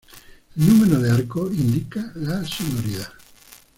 El número de arcos indica la sonoridad.